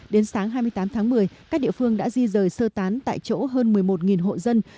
đến sáng hai mươi tám tháng một mươi các địa phương đã di rời sơ tán tại chỗ hơn một mươi một hộ dân